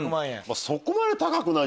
まぁそこまで高くない。